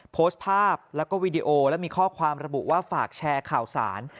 โพสต์ภาพแล้วก็วีดีโอและมีข้อความระบุว่าฝากแชร์ข่าวสาร